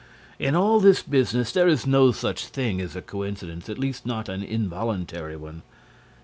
In all this business, there is no such thing as a coincidence, at least not an involuntary one.